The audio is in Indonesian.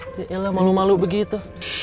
yaelah malu malu begitu